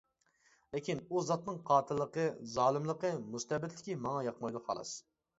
لېكىن ئۇ زاتنىڭ قاتىللىقى، زالىملىقى، مۇستەبىتلىكى ماڭا ياقمايدۇ خالاس.